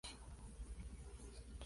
Más tarde se construyeron puestos.